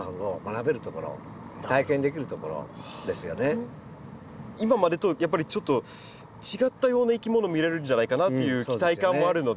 だから自然豊かな今までとやっぱりちょっと違ったようないきもの見れるんじゃないかなっていう期待感もあるので。